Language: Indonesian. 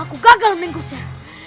aku gagal menggusnya